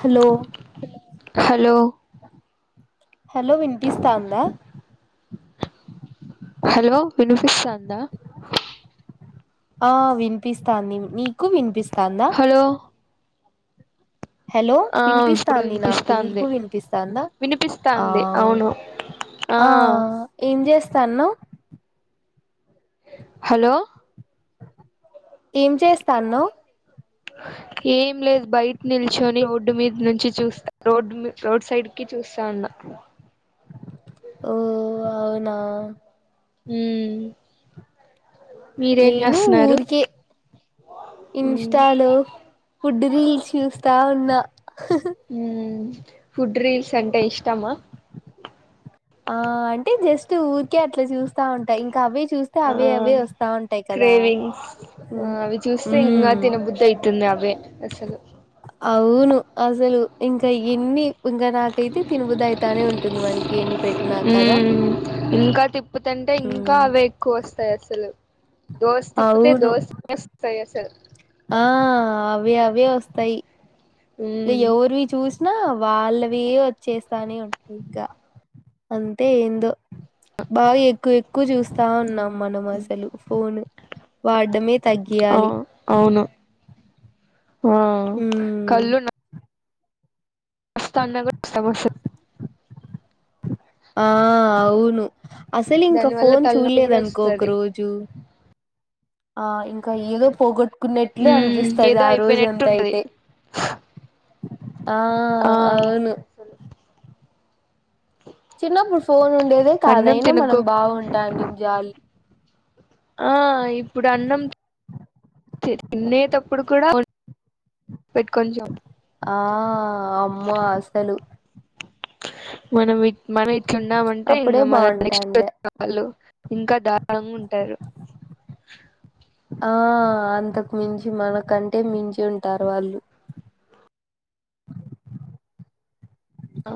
Hello hello hello వింపిస్థందా hello వినిపిస్థందా ఆ వినిపిస్తాంది మికు వినిపిస్ హలో హలో ఆ ఇప్పుడు వినిపిస్తాంది నాకు వినిపిస్తాంది నీకు వినిపిస్తాందా ఆ వినిపిస్తాంది అవును ఆ ఏం చేస్ స్థాన్నవ్ హలో ఏం చేస్తాన్నవ్ ఏం లేదు బయట నిల్చుని రోడ్డు మీద నుంచి చూస్తా రోడ్డు రోడ్ సైడ్ కి చూస్తా ఉన్న ఓ అవునా హుమ్ నేను ఊరికే మ్మ్ ఇన్స్టాలో ఫుడ్ రీల్స్ చూస్తా ఉన్నా హు ఫుడ్రీల్ సంటే ఇష్టమ్మా ఆ అంటే జస్ట్ ఊరికే అట్లా చూస్తా ఉంటా ఇంకా అవే చూస్తే ఆ అవే అవే వస్తా ఉంటాయి కదా క్రేవింగ్స్ ఉమ్ ఆ అవి చూస్తే ఇంకా ఉమ్. తిన బుద్ధి ఆయాతుంది అవే ఆసలు అవును అసలు ఇంకా ఏన్ని ఇంకా నాకైతే తినబుద్ధి అయితనే ఉంటుంది మనకి ఎన్ని పెట్టినా కదా ఉమ్ ఇంకా తిప్పుతంటే ఇంకా ఉమ్, అవే ఎక్కువ వస్తాయి అసలు దోశ తిప్పుతే అవును దోశ వస్తాయి అసలు ఆ అవి అవే వస్తాయి లే ఉమ్ ఎవరువి చూస్ నా వాళ్ళవి వచ్చేస్తానే ఉంటాయి ఇగా అంతే ఏందో బాగా ఎక్కువ ఎక్కువ చూస్తా ఉన్నాం మనం అసలు ఫోన్ వాడడమే అ తగ్గియాలి అవును ఆ ఉమ్ కళ్లు నా నాస్తాన్నా కూడా [unintelligible] ఆ అవును అసలు ఇంకా దాని వల్ల ఫోన్ తలనొప్పి కూడా చూడలేదనుకో ఒక వస్తది రోజు ఆ ఇం కా ఏదో పోగొట్టుకున్నట్లు ఉమ్ అనిపిస్తది ఏదో ఆ రోజు అయిపోయినట్టు అంత ఉంటది అయితే ఆ ఆ అవును అసలు చిన్నప్పుడు ఫోన్ ఉన్ అన్నం తినకోకు జాలి ఆ ఇప్పుడు అన్నం తినేటప్పుడు కూడా పెట్టుకొనచు ఆ అమ్మో అసలు మనమి మనం ఇట్లున్నామంటే అప్పుడే ఇంకా మన నెక్స్టు బాగుంటాండే వచ్చే వాళ్లు ఇంకా దారుణంగా ఉంటారు ఆ అంతకు మించి మనకంటే మించి ఉంటారు వాళ్ళు అ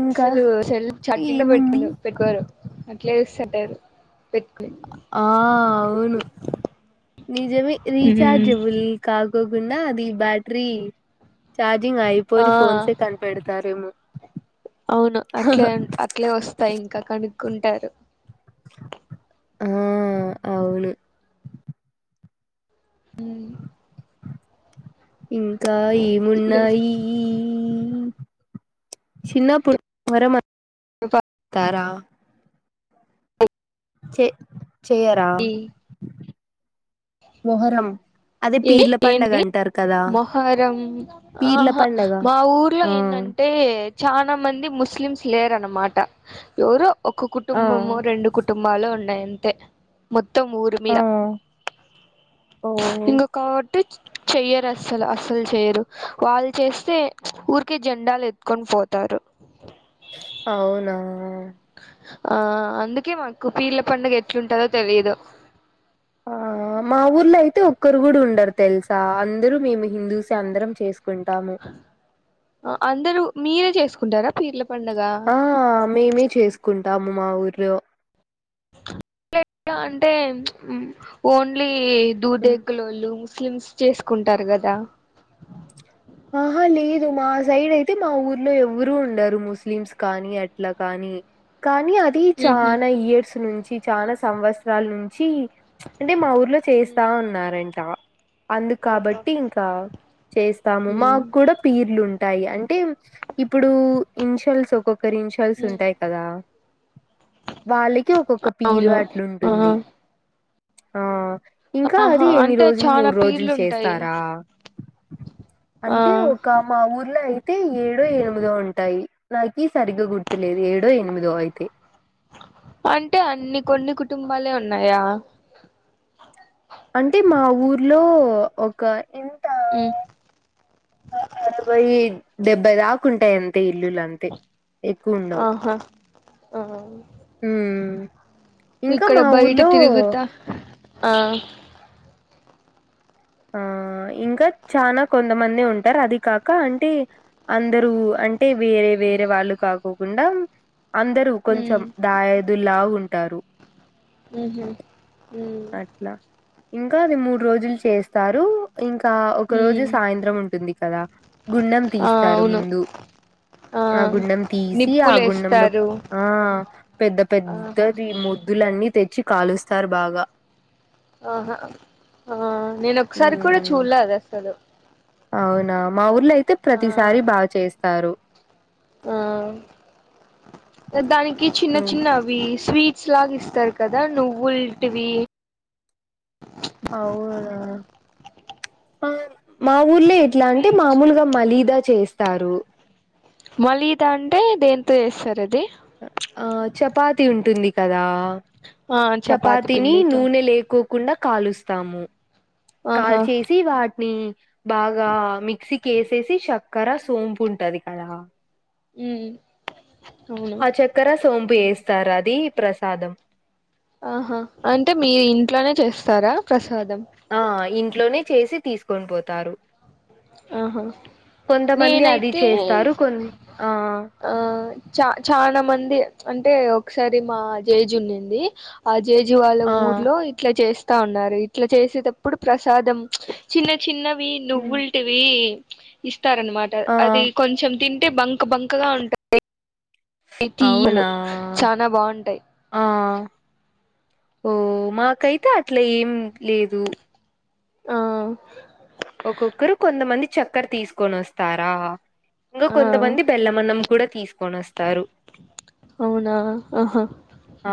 ఇంకా అసలు సెల్ చార్జింగ్ పెట్టు ఏముంది పెట్టుకోరు అట్లే చూస్తుంటారు పెట్టుకుని ఆ అవును నిజమే రీచార్జబుల్ కా కోకుండా ది బ్యాటరీ చార్జ్ జింగ్ ఆ అయిపోని ఫోన్సే కనపెడతారేమో అవును అట్లే అట్లే వస్తాయి ఇంకా కనుక్కుం టారు ఆ అవును హుమ్ ఇంకా ఏమున్నాయి హు చిన్నపు [unintelligible] మరమతారా చెే చేయరా మొహరం అదే ఏ పీర్ల పండగ ఏంటిది అంటారు కదా మొహరం పీర్ల ఆహా పండగ మా ఊర్లో ఆ ఏంటంటే చానా మంది ముస్లింస్ స్లేర్ అన్నమాట ఎవరో ఒక ఆ కుటుంబమొ రెండు కుటుంబాలో ఉన్నాయి అంతే మొత్ త్తం ఆ ఊరుమీద ఓ ఇంగో టె చెయ్యరు అస్సల అస్సలు చేయరు వాళ్ళు చేస్తే ఊరికే జెండాలు ఎత్తుకొని పోతారు అవునా ఆ అందుకే మాకు పీర్ల పండగ ఎట్లుంటదో తెలీయదు ఆ మా ఊర్లో అయితే ఒక్కరు కూడా ఉండరు తెలుసా అందరూ మేము హిందూస్ ఏ అందరం చేస్ ఆ అందరూ మీరే చేస్ కుంటర పీర్ల్ల ఆ మేమే చేసుకుంన్ దాముమా ఊర్లో [unintelligible] అంటే ఓన్లీ ఏ ఉమ్ దూదేకు లోళ్ళు ముస్లిమ్స్ చేసుకుంటారు కదా ఆహా లేదు మా సైడ్ అయితే మా ఊర్లో ఎవరు ఉండరు ముస్లిమ్స్ కానీ అట్లా కానీ కానీ అది ఉహు చాన ఇయర్స్ నుంచి చాలా సంవత్సరాల నుంచి అంటే మా ఊర్ లో చేస్తా ఉన్నారంట అందు కాబట్టి ఇంకా చేస్ ము మాకు ఉమ్ కూడా పీర్లు ఉన్ టాయి అంటే ఇప్పుడు ఇన్షల్స్ ఒకొక్ క్కరి ఇన్షాల్స్ ఉంటాయి కదా వాళ్ళకి ఒక్కొక్క పీరు అవును అట్లు ఆ ఉంటుంది ఆ ఇంకా ఆహా అది ఎన్ని అంటే రోజులు చానా మూడు పీర్లు రోజులు ఉంటాయి చేస్తారా ఆ అంటే ఒక మా ఊర్లో అయితే ఏడో ఎనిమిదో ఉంటాయి నల్పీస్ సరిగ్గా గుర్తులేదు ఏడో ఎనిమిదో అయితే అంటే అన్ని కొన్ని కుటుంబాలే ఉన్నాయా అంటే మా ఊర్లో ఒక ఉమ్, అరవై డెబ్బై దాకా ఉంటాయి అంతే ఇల్లులు అంతే ఎక్కువ ఉండవు ఆహా ఆ మ్మ్ ఇక్కడ బయట తిరుగుతా ఆ ఆ ఇంకా చాలా కొంతమంది ఉంటారు అది కాక అంటే అందరూ అంటే వేరే వేరే వాళ్ళు కాకోకుండా అందరూ కొంచెం ఉమ్ దాయాదుల్లా ఉంట తారు ఉమ్మ్ అట్లా ఇంకా అది మూడు రోజులు చేస్తారు ఇంకా ఒక రోజు ఉమ్ సాయంత్రం ఉంటుంది కదా గుండం ఆ తీస్తారు అవును ముందు ఆ గుండం తీసి ఆ గుండంలో నిప్పులేస్తారు ఆ పెద్ద పెద్ద ఆహా మొద్దులన్నీ తెచ్చి కాలుస్తారు బాగా ఆహా ఆ నేను ఒకసారి కూడా ఉమ్ చూలేదు అసలు అవునా మాఊ వలయితే ఆ ప్రతిసారి బాగు చేస్తారు ఆ దాని కి చిన్న ఉమ్, చిన్న అవి స్వీట్ స్లాగిస్తారు కదా నువ్వుల్టివి అవునా మా ఊర్లో ఇట్లా అంటే మిర్చి మామూలుగా మలీద చేస్తారు మళ్ళీ ఇదాఅంటే దేంతో చేస్తారు అది ఆ చపాతి ఉంటుంది కదా ఆ చపాతి చపాతిని పిండితో నూనె లేకో కుండ కాలుస్తాము కాల్ ఆహా చేసి వాటిని బాగా మిక్సీ కేసేసి చక్కెర సోంపు ఉంటది కదా ఉ ఆ చక్కర సోం వేస్తారు అది ప్రసాదం ఆహా అంటే మీరు ఇంట్లోనే చేస్తారా ప్రస్ ఆ ఇంట్లోనే చేసి తీసుకొని పోతారు ఆహా కొంతమంది అది నేనైతే చేస్తారు కొన్ ఆ ఆ చా చానా మంది దే అంటే ఒకసారి మా జేజ్ ఉన్నింది జేజీవాళ్ల ఆ ఊర్లో ఇట్లా చెస్ కా ఉన్నారు ఇట్లా చేసేటప్పుడు ప్రసాదం చిన్న చి చిన్నవి ఉమ్, నువ్వులు ఈ ఇస్త్ స్తారనమాట ఆ అది కొంచెం తిన్ అంటే బంక్ బంకగా ఉంటుంది ప్రతియి అవునా చాలా బాగుంటాయి ఆ ఓ మాకైతే అట్లా ఏం లేదు ఆ ఒక్కొక్కరు కొంతమంది చక్కర తీసుకొని వస్తారా ఇంగ ఆ కొంతమంది బెలమ్మనం కూడా తీస్ కొనొస్తారు. అవునా ఆహా ఆ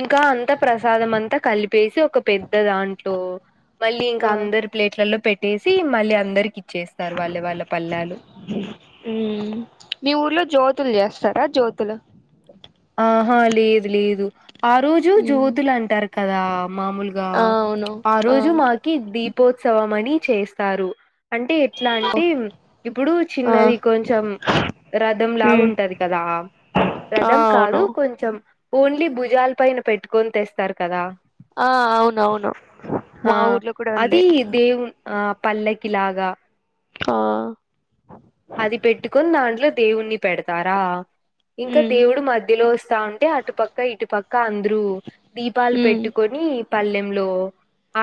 ఇంకా అంత ప్ర సాదమంత కలిప్ ప్పేసి ఒక పెద్ద దాంట్లో మళ్ళీ, ఇంక ఆ అందరి ప్లేట్లలో పెట్టేసి, మళ్ళీ, అందరికి ఇచ్చేస్తారు, వాళ్ళ వాళ్ళ పల్లాలు. త్తుల్ జేస్తారా జ్యోతులు? ఆహా, లేదు లేదు. ఆ రోజు ఉమ్ జ్యోతులు అంటారు కదా. మాములుగా ఆ అవును ఆ రోజు మాకి దీప్ పోత్సవమని చేస్తారు. అంటే, ఎట్లా అంటే, ఇప్పుడు ఆ చిన్నది కొంచెం రథంలాగా ఉమ్ ఉంటది కదా ఆ రథం. అవును రూ కొంచెం ఓన్లి, భుజాల పైన పెట్టుకొని తెస్తారు కదా? ఆ, అవునవును, ఆ మా ఊర్లో కూడా అది ఉంది. దేవు ఆ పల్లకిలాగా ఆ అది పెట్టుకొని, దాంట్లో దేవున్నీ పెడతారా? ఇంక ఉమ్ దేవుడు మధ్- వస్తా ఉంటే, అటు పక్క ఇటు పక్క అంద్రూ దీపాలు ఉమ్ పెట్టుకొనీ పళ్లెంలో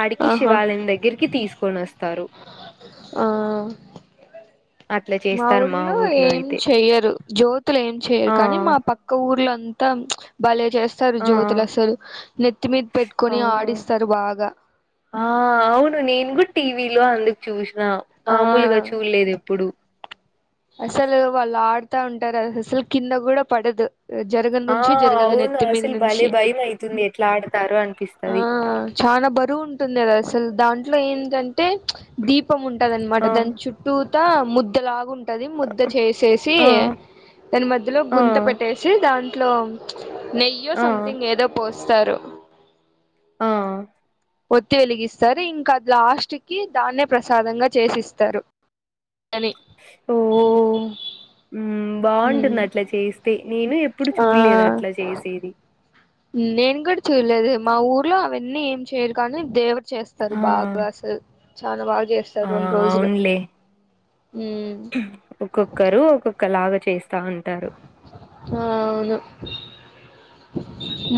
ఆడికి, ఆహా శివాలయం దగ్గరికి, తీస్ కొనేస్ ఆ, అట్లా మా చేస్తారు ఊర్లో ఏం అయితే చెయ్యరు. జ్యోతులు ఏం చెయ్యరు ఆ కనీ, మా పక్క ఊర్లో ఉంటాం. ఛ్! భలే! చేస్తారు. ఆ జ్యోతులు అసలు నెత్తిమీద్ ఆ పెట్టుకొని, ఆడిస్తారు బాగ. ఆ చూష్ ఆ, మాములుగ చూల్లేదు ఎప్పుడు. అసలు వాళ్ళు ఆడుతా ఉంటరు. అసలు కింద గుడ పడదు. జరగన్ ఆ నుంచి జరగదు అవును అసలు భలే నెత్తిమీదినుంచి. భయం అయితుంది ఎట్లా ఆడతారో ఆ, అనిపిస్తది చాల బరువు ఉంటుంది. అది అసలు దా ఇంట్లో ఏంటంటే, దీప్ ధూపం ఉంటదన్నమాట ఆ దాని చుట్టూ తా ముద్దలాగుంట్ అది ముద్ద చేసేసి ఆ దాని మధ్యలో ఆ గుంత పెట్టేసి దాన్ ట్లో నెయ్యో ఆ సమ్తింగ్ ఏదో పోస్ స్తరు. ఆ ఆ ఒత్తి వెలిగిస్తారు. ఇంకా లాస్ట్ కి దాన్నే ప్రసాదంగా చేసిస్తారు. అని ఓ ఉమ్ ఉమ్ బాగుంటుంది. అట్లా చేస్తే నేను ఎప్పుడు చూడ్లేదు అట్లా చేసేది. నేన్ గూడ చూల్లేదు. మా ఊర్లో అవన్నీ ఏం చేయరుకాని దేవత్ చేస్తారు ఆ బాగా అసల్ చాలా బాగ్ ఆ అవున్లే ఉమ్ ఒక్కొక్కరు ఒక్కొక్ ఒకలాగ చేస్తాంటారు. ఆ అవును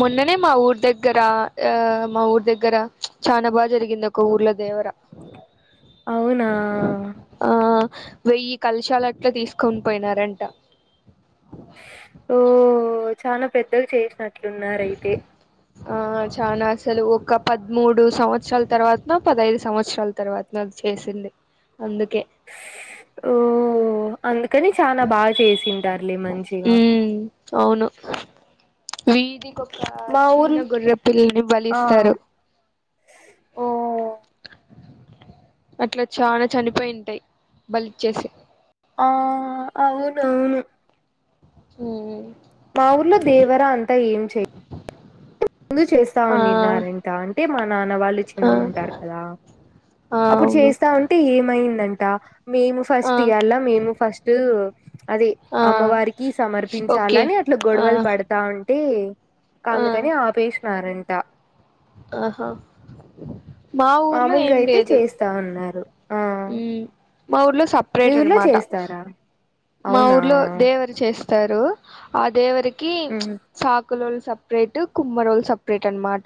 మొన్ననే మా ఊర్ దగ్గర ఆ మా ఊర్ దగ్గర చనా బాగా జరిగింది ఒక ఊర్లో దేవర అవునా ఆ వెయ్యి కల్శాలు అట్లా తీసుకొని పోయినారంట. ఓ చాన పెద్దది చేసిన ట్లున్నారయితే చాన అసలు ఒక పదమూడు సంవత్సరాల తర్వాత్నో, పదైదు సంవత్సరాల తర్వాత్నో చేసింది. అందుకే అందుక్ కనీ చాన బాగా చేసింటారులే మంచిగా వీధి కొక ఆ మా చిన్న ఊర్ గొర్రె పిల్లని ఆ బలిస్తారు ఓ అట్ల చాన చనిపోయింటయి బలిచ్చేసి ఆ అవునవును ఉ మా ఊర్లో దేవర అంత ఏం చెయ్ ముందు చేస్తా ఆ వున్నినారంట, అంటే మా నాన్న వాళ్ళు ఆ చిన్నగ ఉంటారు కదా. ఆ అప్పుడ్ అవును చేస్తా ఉంటే ఏమైంద టా మేము ఆ ఫస్ట్ ఇయల్ల, మేము ఫస్ట్ అది ఆ అమ్మవారికి ఓకే సమర్పించాలని, అట్ల ఆ గొడవలు పడతా ఉన్ కీ కాందుకని ఆ టరెంట ఆహా మా ఊర్లో మామూలుగా ఏం అయితే లేదు చేస్తా ఉన్నారు ఆ ఉ మా ఊర్లో స మీ ఊర్లో చేస్తారా మా అవునా ఊర్లో దేవర చేస్ తారు ఆ దేవరి కి ఉమ్ సా కులోళ్లుు సపరేట్ కుమ్మరోళ్లుు సపరేట్ అన్మాట.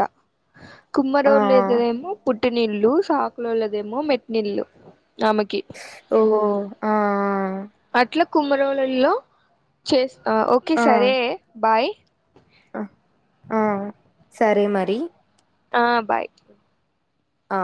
ఆ కుమ్మరొల్లోదదేమో పుట్టినిల్లు, సాకులోళదేమో మెట్నీళ్ళు. ఓ ఆ అట్ల కుమ్మరోళ్లలో చేస్ ఆ ఓకే ఆ సరే బాయ్ ఆ ఆ సరే మరి ఆ బాయ్ ఆ